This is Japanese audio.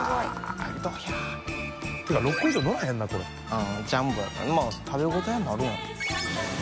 うんジャンボやからまぁ食べ応えもあるやん。